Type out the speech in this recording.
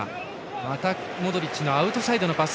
またモドリッチのアウトサイドのパス。